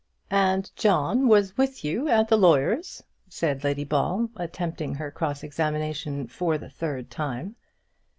"And John was with you at the lawyer's," said Lady Ball, attempting her cross examination for the third time.